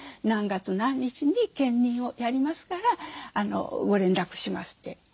何月何日に検認をやりますからご連絡しますって。